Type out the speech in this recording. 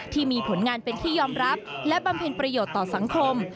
ที่มีผลงานเป็นที่ยอมรับและบำเพ็ญประโยชน์ต่อสังคม